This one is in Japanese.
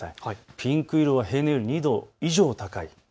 ピンク色は平年より２度以上高い。